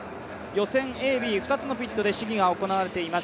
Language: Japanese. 予選Ａ、Ｂ、２つで試技が行われています。